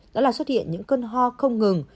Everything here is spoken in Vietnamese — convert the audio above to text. đó là xuất hiện những cơn ho không ngừng